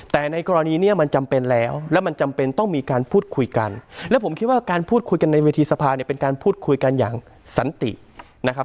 แต่ในกรณีนี้มันจำเป็นแล้วแล้วมันจำเป็นต้องมีการพูดคุยกันและผมคิดว่าการพูดคุยกันในเวทีสภาเนี่ยเป็นการพูดคุยกันอย่างสันตินะครับ